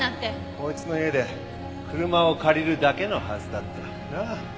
こいつの家で車を借りるだけのはずだった。なあ？